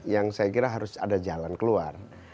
yang saya kira harus ada jalan keluar